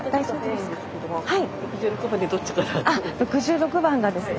６６番がですね